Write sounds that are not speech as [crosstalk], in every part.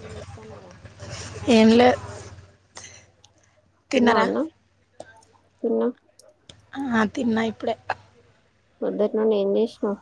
చేతనరా ఏంలే తిన్నవన్నం తిన్నం ఆ తిన్నా ఇప్పుడే పొద్దట్నుండి ఏంజేష్నవ్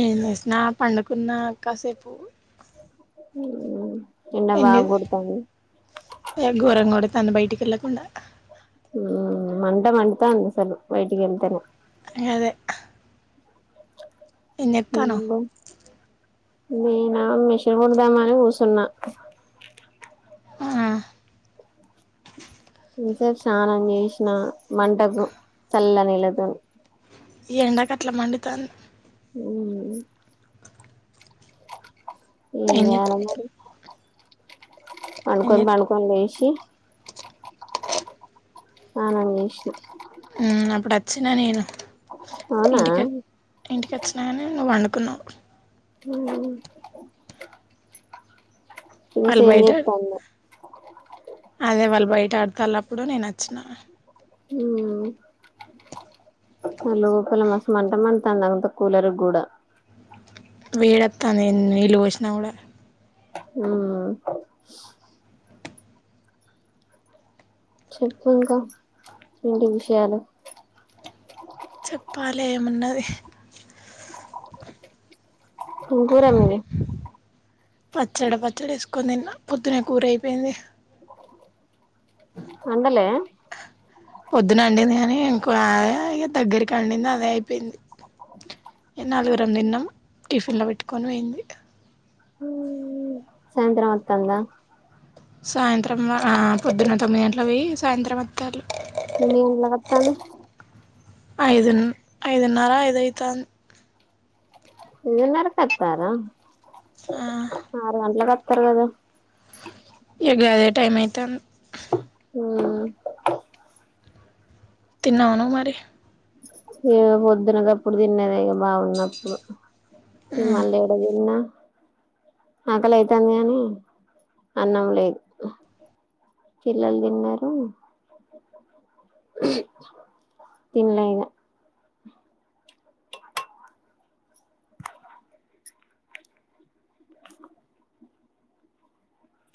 ఏంజేసినా పండుకున్నా కాసేపు హూ ఏంలేదు ఏ ఘోరంగొడుతాంది బయటికెల్లకుండ మ్మ్ మంట మండుతాందసలు బయటికెళ్తేనే గదే ఏంజెత్తానవ్ నేనా మిషన్ గుడదామని కూసున్న ఆహ్ ఇంత్సేపు స్నానం జేష్నా మంటకు చల్ల నీళ్లతోని ఈ ఎండకట్ల మండుతాంది ఊ ఏం చేత్ ఇయ్యాల మరి ఏం పండుకొనన్ చేత్ బండుకొన్లేషి తానం జేష్న చ్చిన నేను అవునా ఇంటిక ఇంటికచ్చినా గని నువ్వు వండుకున్నవ్ హూ చూసి వాళ్ళు ఏం బయట చెత్తందో అదే వాళ్ళు బయట ఆడతారు అప్పుడు నేను వచ్చిన ఉ లోపల మస్తు మంట మండుతాంది అంత కూలర్ కూడా వేడత్తాంది నీళ్లు పోసినా కూడా ఉ చెప్పు ఇంకా ఏంటి విషయాలు చెప్పాలే ఏమున్నది ఇంగూర మీది పచ్చడ పచ్చడ వేసుకొని తిన్న పొద్దున్న కూర అయిపోయింది వండలే పొద్దున అండింది కాని ఇంకో అదే ఇగ దగ్గరికి వండింది అదే అయిపోయింది నాలుగురం తిన్నాం టిఫిన్లో పెట్టుకొని పోయింది సాయంత్రం వత్తాందా సాయంత్రం ఆ పొద్దున తొమ్మిది గంటలు పోయ్యి సాయంత్రం వత్తాలు మేము లతాని ఐదు ఐదున్నర ఐదు అయితాంది ఇన్నరకతార ఆరు గంటలకట్ల పర్వాద ఇగ గదే టైం అయితాంది హ తిన్నావా నువ్వు మరి ఈగ పొద్దున గప్పుడు తిన్నదే మరి బాగున్నప్పుడు ఈగ మళ్లీ ఏడ తిన్న అకలి అయితాంది కానీ అన్నం లేదు పిల్లలు తిన్నారు తినలే ఇక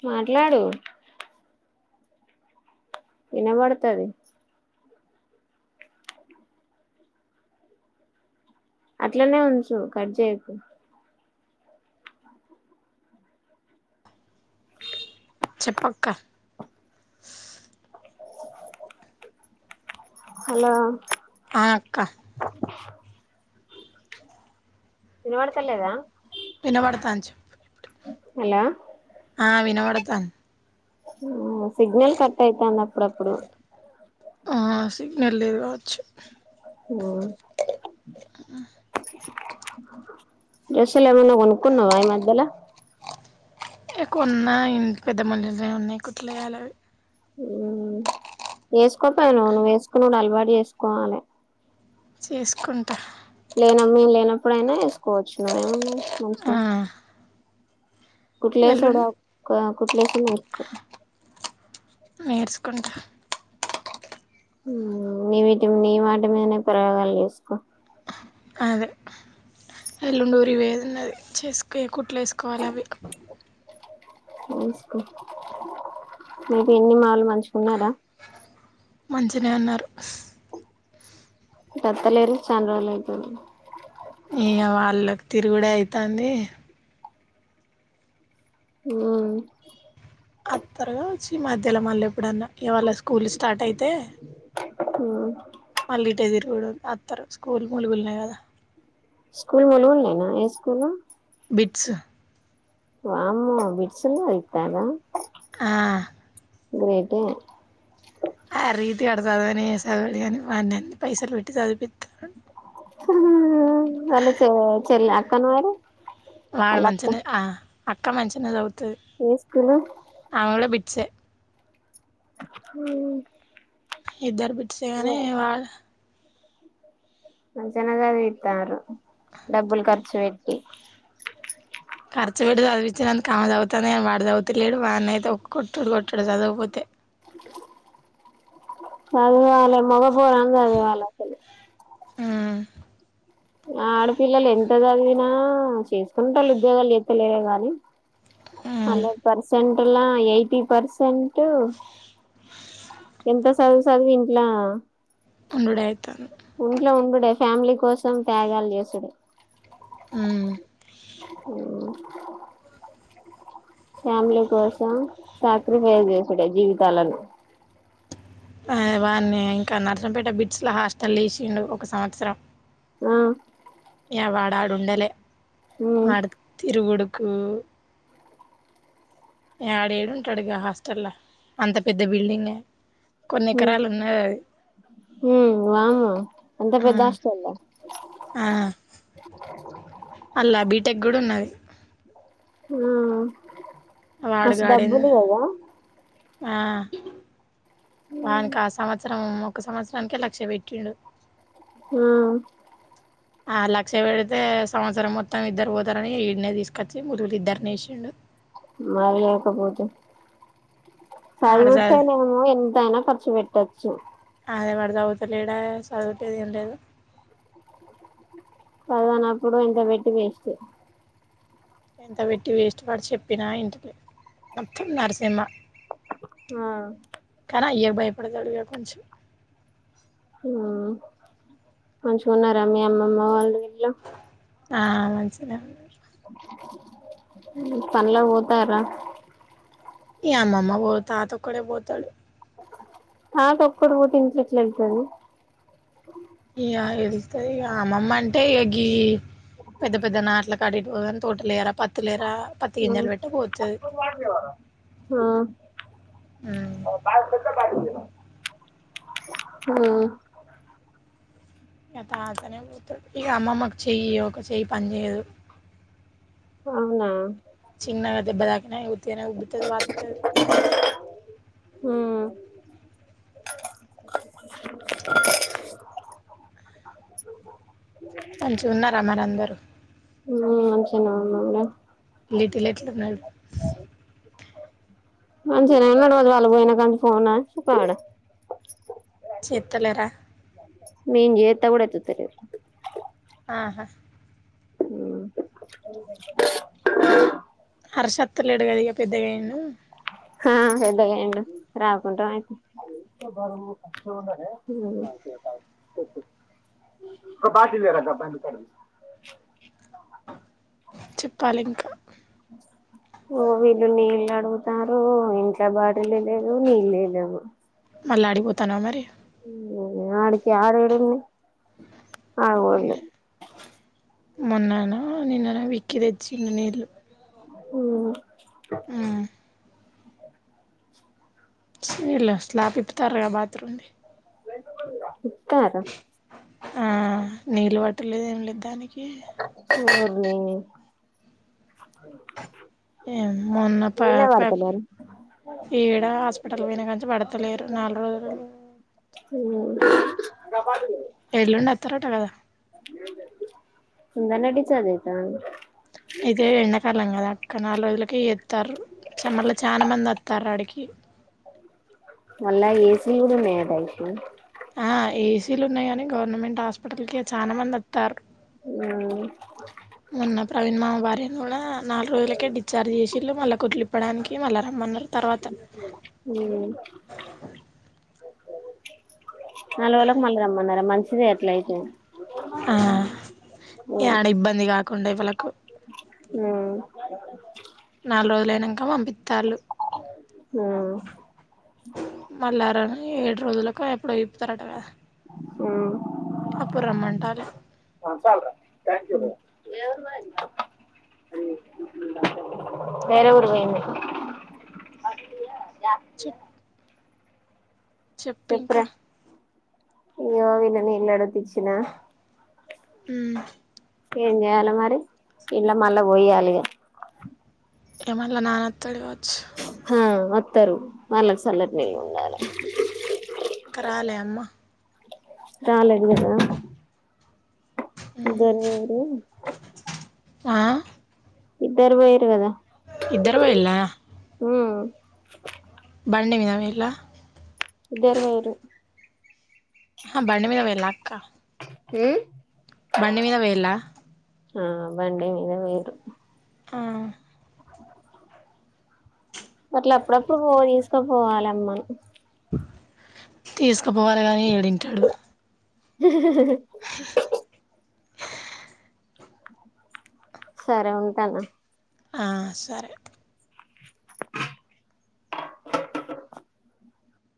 మాట్లాడు ఇనపడ్తది అట్లనే ఉంచు కట్ చేయకు చెప్పక్క హలో ఆ అక్క ఇనబడత లేదా వినబడతాను చెప్పు హలో ఆ వినబడుతోంది ఆ సిగ్నల్ కట్ అయితంది అప్పుడప్పుడు ఆ సిగ్నల్ లేదు కావ అఓ డ్రెస్సులు ఎమన్నా కొనుక్కున్నావా ఈ మధ్యలా కొన్నా ఇంత పెద్ద మళ్లియనే ఉన్నాయి కుట్లాయాలవి ఏస్కోకపోయినావ్ నువ్వు వేసుకున్నాడు అలవాటు వేసుకోవాలి చేసుకుంటా ఈగ లేనమ్ మీ లేనప్పుడయినా వేసుకోవచ్చు నువ్వు ఏమున్నది ఆ మంచిగా కుట్లుఏసుడు ఎల్లుండి ఒక్క కుట్లుఏసుడు నేర్చుకుంటా నీ వీటి నీ మాట మీదనే ప్రయోగాలు చేసుకో అదే ఎల్లుండి ఊరికి పోయేది ఉన్నది చేసుక కుట్లు వేసుకోవాలి అవి వేసుకో మీ పిన్ని వాళ్ళు మంచిగా ఉన్నారా మంచినే ఉన్నారు కత్తలేరు చానా రోజులు అవుతుంది ఇగా వాళ్ళు తిరుగుడే అయితంది ఉ అత్తరగా వచ్చి ఈ మధ్యలో మళ్ళ ఎప్పుడన్నా ఇవాళ స్కూల్ స్టార్ట్ అయితే ఉ మళ్ళీ ఇటే తిరుగ అస్తారు స్కూల్ ముూలిగుళినయి కదా స్కూల్ మనల్న్నానా ఏ స్కూల్ బిట్స్ వామ్మో బిట్స్ ఉన్నాయి ఇప్పుడైనా ఆ గ్రేటే ఆ రీతిగాడు చదువునే చదవడం కానీ పైసలు పెట్టి చదువుపిస్తున్న వాళ్ళ చె చెల్ అక్కను మరి వాడు వాళ్ళ అక్క మంచిగనే ఆ అక్క మంచిగానే చదువుతాది ఏ స్కూలు అ కూడా బట్ ట్స్ ఆ ఇద్దరు బిట్స్ గాని వాళ్ళ మంచిగానే చదివితారు డబ్బులు ఖర్చు పెట్టి ఖర్చుపెట్టి చదివించినంత కమ్మ అవుతుంది వాడు చదవలేదు వాని అయితే కొట్టుడు కొట్టాడు చదవకపోతే చదువు రాలే మగపూర్వాని చదవాలి ఆ ఆడపిల్లలు ఎంత చదివినా చేసుకుంటారు ఉద్యోగాలుతే లేర గాని హండ్రెడ్ పర్సెంట్లా ఎయిటీ పర్సెంట్ ఎంత చదువు చదివి ఇంట్లా ఉండుడుతె ఇంట్లో ఉండుడే ఫ్యామిలీ కోసం త్యాగాలు చేసుడే ఆ [inaudible] ఫ్యామిలీ కోసం సాక్రిఫైస్ చేసుడే జీవితాలను వాని ఇంకా నర్సనపేట బిడ్స్ హాస్టల్ వసిండు ఒక సంవత్సరం ఆ య వాడాడుండలే ఉమ్ వాడు తిరుగుడుకు ఆడేడుంటాడుగా హాస్టల్ అంత పెద్ద బిల్డింగ కొన్ని ఎకరాలు ఉన్నాదీ అది హ వామ్మో అంత పెద్ద హాస్టల ఆ అల్లా బీటెక్ కూడా ఉన్నది ఆ మస్ వాడుగాడేందో డబ్బులు కదా ఆ వానికి సమాత్సారం త్సరం ఒక సంవత్సరాకే లక్ష పెట్టిండు ఆ ఆ లక్ష పెడితే సంవత్సరం మొత్తం ఇద్దరు బోతారని ఈడనే దీసుకొచ్చి ముదురుది ఇద్దరిని యేసిండు మరి లేకపోతే ఆడ చదు చదువుతేనేమో ఎంతైనా ఖర్చు పెట్టొచ్చు అదే వాడు చదువుతలేడాయ్ సదువులేదు ఏం లేదు సదవనప్పుడు ఇంత పెట్టి వేస్ట్ ఎంత పెట్టి వేస్ట్ వాడు చెప్పినా ఇంటలేడు మొత్తం నరసింహ ఆ పడదలుగా కొంచెం ఆ మంచిగా ఉన్నారా మీ అమ్మమ్మ వాళ్ళు గిట్ల ఆ మంచినే ఉన్నరు పన్లకు పోతారా ఏ అమ్మమ్మ పోద్ తాత ఒక్కడే పోతాడు తాత ఒక్కడు పోతే ఇంట్ల ఎట్లయేల్తది ఇగ యెళ్తది ఇగ అమ్మమ్మ అంటే గీ పెద్ద పెద్ద నాట్లకాడిపోదు గాని తోట లేరా పత్తు లేరా ఆ ఆ ఆ ఇగ తాతనే పోతడు ఇగ అమ్మమ్మకు చెయ్యి ఒక చెయ్యి పని జేయదు అవునా చిన్నగ దెబ్బ దాకినా ఇగ ఉత్తిగనే ఊబ్బుతది వాత్తది ఉమ్ [inaudible] మంచిగా ఉన్నారా మరి అందరూ ఉమ్ మంచిగనే ఉన్నామురా వీటిల్ ఎట్లున్నడు మంచిగనే ఉన్నడు మరి వాళ్ళు పోయిన కానించి ఫోనా పాడా చేత్తలేరా నేన్ జేత్తే గూడా ఎత్తులేర్ ఆహా [inaudible] హర్ష అత్తలేడు కదా ఇక పెద్దగా అయ్యిండు ఆ పెద్దగైండు రాకుంటమాయ్ ఉమ్ ఒ బాటిల్ దేరా ఆ బండి కాడ దీసుకో చెప్పాలి ఇంకా [inaudible] ఓ వీళ్ళు నీళ్ళు అడుగుతారు ఇంట్ల బాటిలే లేదు నీళ్ళే లేవు మళ్ళా ఆడిబోతన్నవా మరి ఉమ్ ఆడికి ఆడేడుంది మావోళ్ళు మొన్ననా నిన్ననా విక్కి తెచ్చిండు నీళ్ళు ఉమ్ ఉమ్, చీర్ల స్లాప్ ఇప్పుతారుగా బాత్రూమ్ది ఇప్పుతార్ అక్క ఆ నీళ్ళు బట్టలేదు ఏం లేదు దానికి సు [unintelligible] ఏ మొన్న ప పెట్ ఏడ హాస్పిటల్ పోయినకానుంచి పడతలేరు నాలుగు రోజులు ఎల్లుండి అత్తారట కదా నిన్ననే డిసైడ్ అయితంది ఇయితే ఎండాకాలం కదా క్క నాలుగు రోజులకే చేతన్రు మళ్ళ చానా మంది అత్తన్రు ఆడికి మళ్ళా ఏసీ కూడా ఉన్నాయి అట్ట అయితే ఆ ఏసీలు ఉన్నాయ కాని గవర్నమెంట్ హాస్పిట అప్పటికే చాలా మంది అత్తన్రు మొన్న ప్రవీణ్ మామ భార్య నూన నాలుగు రోజులకే డిచార్జ్ చేసిళ్ళుళ్ళా కుట్లిప్ప్వడానికి మళ్ళా రమ్మన్నారు తర్వాత ఉ నాలుగు రోజులకు మళ్ళీ రమ్మన్నారా మంచిదే ఎట్లయితే ఆ ఇగ ఆడ ఇబ్బంది కాకుండా ఎవ్వలకు ఆ నాలుగు రోజులుయినంక పంపితళ్ళు ఆ మల్లారాని ఏడు రోజులలకు ఎప్పుడో ఇపుతారట కదా అప్పుడు రమ్మంటాళ్ళు ఆ లేవరుంద వేర ఊరు వెైంది చెట్ చెప్ప ఇంక ఇయ్యో ఈనే నీళ్లు అడుగుతే ఇచ్చి ఉమ్ ఏ చేయాల మరి ఇలా మళ్ళ పొయ్యాలి ఇగ ఇక మళ్ళ నాన్న అత్తడు కావ హ అత్తరు వాళ్ళకి సల్లటి నీళ్ళ ఉండాలి ఇంకా రాలే అమ్మ రాలేదు కదా ఇదరరు ఆ ఇద్దరు పోయిరు కదా ఇద్దరు పోయిల ఉమ్ బండి మీద పోయిళ్ళ ఇద్దరు పోయిరు ఆ బండి మీద పోయిలాక్క హు బండి మీద పోయిల ఆ బండి మీద పోయిండ్రు ఆ అట్ల అప్పుడప్పుడు పో తీసుకపోవాలమ్మను తీసుకుపోవాలి గాని ఏడింటాడు జ జ సరే ఉంటన ఆ సరే